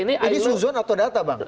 ini suzon atau data bang